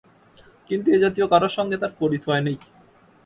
কিন্তু এ-জাতীয় কারোর সঙ্গে তাঁর পরিচয় নেই।